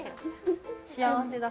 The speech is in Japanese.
幸せだ。